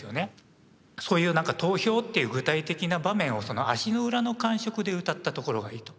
そういう何か投票っていう具体的な場面を足の裏の感触で歌ったところがいいと。